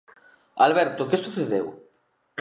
Alberto, que sucedeu?